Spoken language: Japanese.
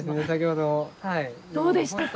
どうでしたか？